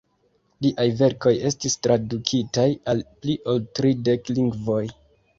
Liaj verkoj estis tradukitaj al pli ol tridek lingvoj.